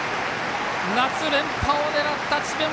夏連覇を狙った智弁